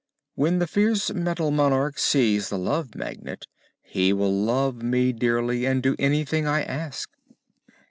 "When the fierce Metal Monarch sees the Love Magnet, he will love me dearly and do anything I ask."